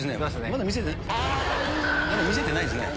まだ見せてないですね。